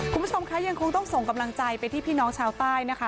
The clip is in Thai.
คุณผู้ชมคะยังคงต้องส่งกำลังใจไปที่พี่น้องชาวใต้นะคะ